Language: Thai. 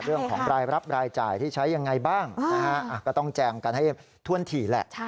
เรื่องของรายรับรายจ่ายที่ใช้ยังไงบ้างก็ต้องแจงกันให้ถ้วนถี่แหละ